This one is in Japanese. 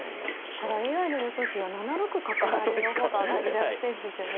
ただＡＩの予想手には７六角成の方が挙げられてるんですよね。